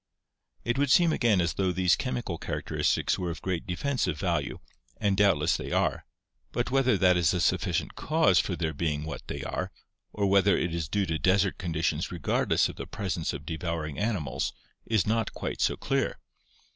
It would seem again as though these chemical characteristics were of great defensive value, and doubtless they are; but whether that is a sufficient cause for their being what they are, or whether it is due to desert conditions regardless of the presence of devour ing animals is not quite so clear.